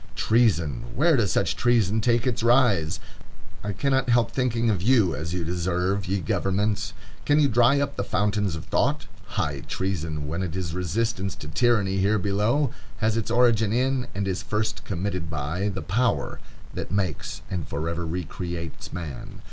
Treason! Where does such treason take its rise? I cannot help thinking of you as you deserve, ye governments. Can you dry up the fountains of thought? High treason, when it is resistance to tyranny here below, has its origin in, and is first committed by, the power that makes and forever recreates man.